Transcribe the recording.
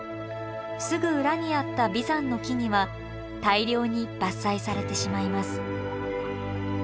すぐ裏にあった眉山の木々は大量に伐採されてしまいます。